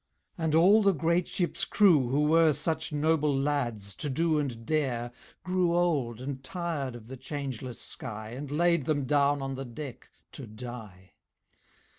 And all the great ship's crew who were Such noble lads to do and dare Grew old and tired of the changeless sky And laid them down on the deck to die.